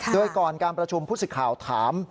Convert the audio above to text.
โดยก่อนการประชุมผู้สิทธิ์ข่าวถาม